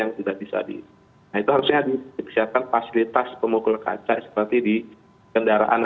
nah itu harusnya disediakan fasilitas pemukul kaca seperti di kendaraan